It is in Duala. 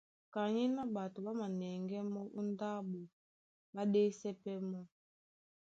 Kanyéná ɓato ɓá manɛŋgɛ́ mɔ́ ó ndáɓo, ɓá ɗésɛ pɛ́ mɔ́.